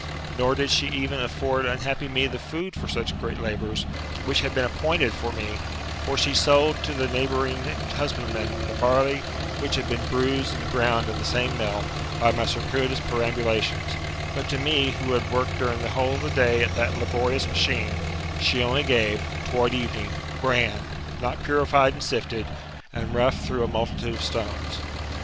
Nor did she even afford unhappy me the food for 114 'THE METAMORPHOSIS, OK such great labours, which had been appointed for me : for she sold to the neighbouring husbandmen the barley which had been bruised and ground in the same mill, by my circuitous perambulations ; but to me, who had worked during the whole of the dav at that laborious machine, she only gave, towards evening, bran, not purified and sifted, and rough through a multitude of stones.